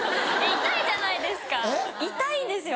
痛いじゃないですか痛いんですよ